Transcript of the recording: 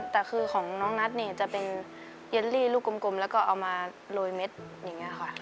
แต่คือของน้องนัทเนี่ยจะเป็นเยลลี่ลูกกลมแล้วก็เอามาโรยเม็ดอย่างนี้ค่ะ